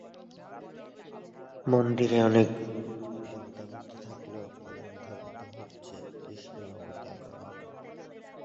মন্দিরে অনেকগুলো দেবতার মূর্তি থাকলেও প্রধান দেবতা হচ্ছে বিষ্ণুর অবতার রাম।